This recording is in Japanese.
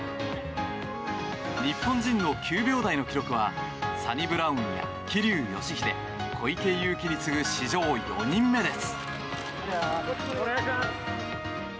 日本人の９秒台の記録はサニブラウンや桐生祥秀小池祐貴に次ぐ史上４人目です。